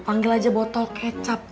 panggil aja botol kecap